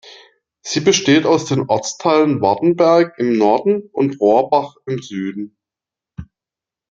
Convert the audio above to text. Sie besteht aus den Ortsteilen Wartenberg im Norden und Rohrbach im Süden.